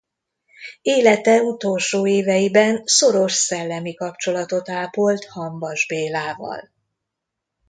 Élete utolsó éveiben szoros szellemi kapcsolatot ápolt Hamvas Bélával.